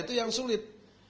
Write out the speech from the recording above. itu yang sulit